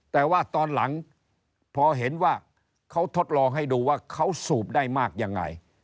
แต่ว่าตอนหลังพอเห็นว่าเขาทดลองให้ดูว่าเขาสูบได้มากยังไง